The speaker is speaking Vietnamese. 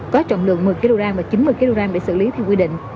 có trọng lượng một mươi kg và chín mươi kg để xử lý theo quy định